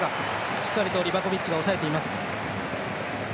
しっかりとリバコビッチがおさえています。